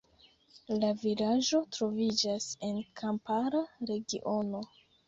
La vilaĝo troviĝas en kampara regiono.